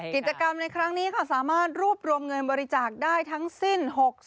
กิจกรรมในครั้งนี้ค่ะสามารถรวบรวมเงินบริจาคได้ทั้งสิ้น๖๐